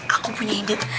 aku punya idea